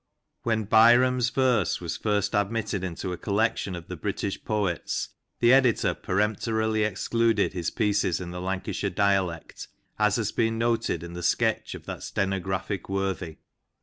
When Byrom's verse was first admitted into a collection of the British poets, the editor peremptorily excluded his pieces in the Lancashire dialect, as has been noted in the sketch of that stenographic worthy.